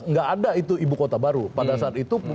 nggak ada itu ibu kota baru pada saat itu